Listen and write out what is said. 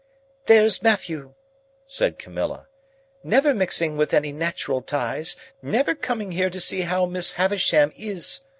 "There's Matthew!" said Camilla. "Never mixing with any natural ties, never coming here to see how Miss Havisham is!